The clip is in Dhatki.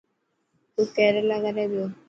تو ڪيريلا ڪري پيو.